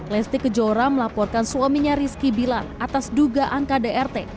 lesti kejora melaporkan suaminya rizky bilar atas dugaan kdrt